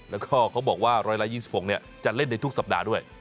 แล้วก็เขาบอกว่า๑๒๖จะเล่นในทุกสัปดาห์ด้วย